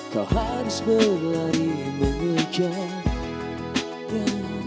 ku harus berlari mengejarnya